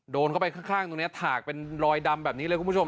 โดนเข้าไปข้างตรงนี้ถากเป็นรอยดำแบบนี้เลยคุณผู้ชม